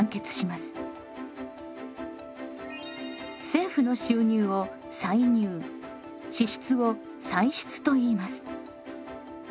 政府の収入を歳入支出を歳出といいます。